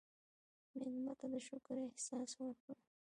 مېلمه ته د شکر احساس ورکړه.